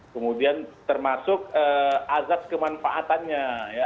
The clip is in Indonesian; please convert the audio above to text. kemudian termasuk azab kemanfaatannya